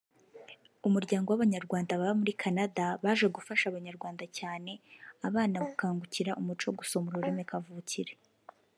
umuryango w’Abanyarwanda baba muri Canada baje gufasha Abanyarwanda cyane abana gukangukira umuco wo gusoma ururimi kavukire